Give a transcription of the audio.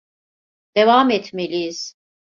Devam etmeliyiz.